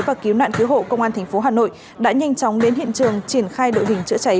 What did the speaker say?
và cứu nạn cứu hộ công an tp hà nội đã nhanh chóng đến hiện trường triển khai đội hình chữa cháy